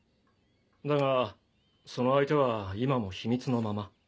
だがその相手は今も秘密のまま。